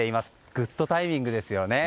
グッドタイミングですよね。